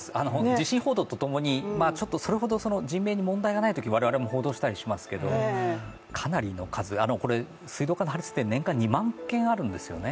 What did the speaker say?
地震報道とともに、それほど人命に問題がないとき、我々も報道したりしますけどかなりの数、これ水道管の破裂って年間２万件あるんですよね。